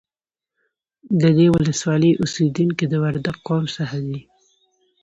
د دې ولسوالۍ اوسیدونکي د وردگ قوم څخه دي